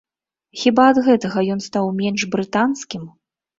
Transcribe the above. Хіба ад гэтага ён стаў менш брытанскім?